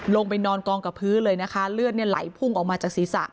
ลงไปนอนกองกับพื้นเลยนะคะเลือดเนี่ยไหลพุ่งออกมาจากศีรษะ